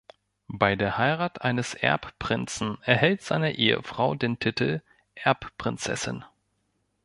Bei der Heirat eines Erbprinzen erhält seine Ehefrau den Titel "Erbprinzessin".